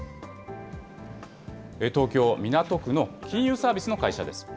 東京・港区の金融サービスの会社です。